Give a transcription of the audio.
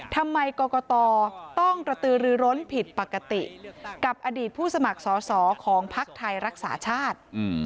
ทำไมกรกตต้องกระตือรือร้นผิดปกติกับอดีตผู้สมัครสอสอของภักดิ์ไทยรักษาชาติ